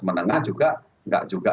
menengah juga nggak juga